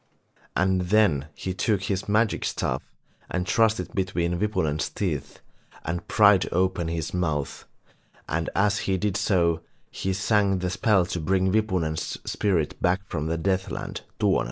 And then he took his magic staff and thrust it between Wipunen's teeth and prised open his mouth, and as he did so, he sang a spell to bring Wipunen's spirit back from the Deathland, Tuonela.